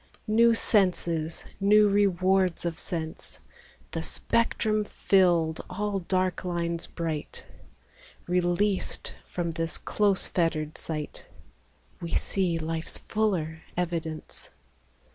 New senses, new rewards of sense, The spectrum filled, all dark lines bright. Released from this close fettered sight, We see life's fuller evidence.